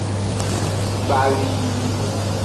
Gbali.